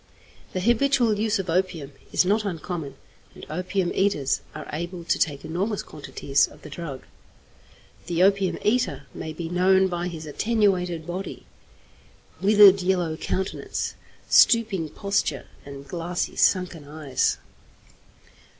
The habitual use of opium is not uncommon, and opium eaters are able to take enormous quantities of the drug. The opium eater may be known by his attenuated body, withered yellow countenance, stooping posture, and glassy, sunken eyes.